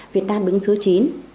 việt nam đứng thứ chín